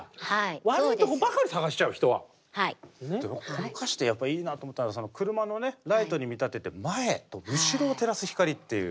この歌詞でやっぱいいなと思ったのは車のライトに見立てて前と後ろを照らす光っていう。